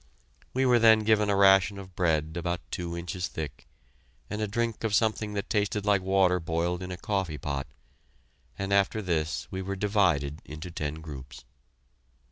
We were then given a ration of bread about two inches thick, and a drink of something that tasted like water boiled in a coffee pot, and after this we were divided into ten groups.